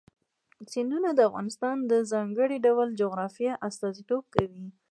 سیندونه د افغانستان د ځانګړي ډول جغرافیه استازیتوب کوي.